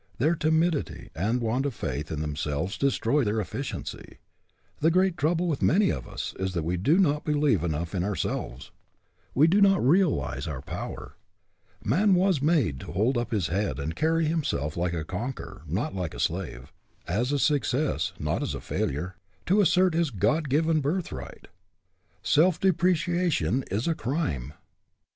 Their timidity and want of faith in themselves destroy their efficiency. The great trouble with many of us is that we do not believe enough in ourselves. We do not realize our power. Man was made to hold up his head and carry himself like a conqueror, not like a slave, as a success, not as a failure, to assert his God given birthright. Self depreciation is a crime.